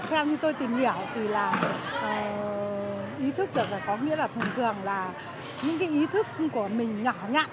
theo như tôi tìm hiểu thì là ý thức được là có nghĩa là thường thường là những cái ý thức của mình nhỏ nhạt